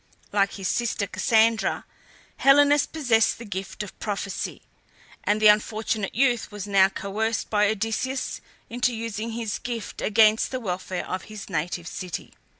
Like his sister Cassandra, Helenus possessed the gift of prophecy, and the unfortunate youth was now coerced by Odysseus into using this gift against the welfare of his native city.